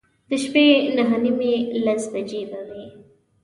د شپې نهه نیمې، لس بجې به وې.